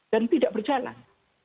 dan tidak berjalan